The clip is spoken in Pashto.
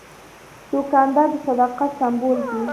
دوکاندار د صداقت سمبول دی.